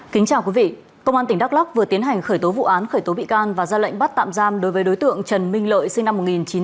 kính chào quý vị công an tỉnh đắk lắc vừa tiến hành khởi tố vụ án khởi tố bị can và ra lệnh bắt tạm giam đối với đối tượng trần minh lợi sinh năm một nghìn chín trăm tám mươi